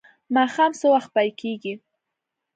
ماښام څه وخت پای کیږي؟